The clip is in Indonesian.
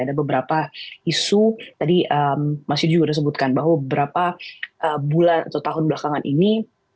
ada beberapa isu tadi mas yudi sudah sebutkan bahwa beberapa bulan atau tahun belakangan ini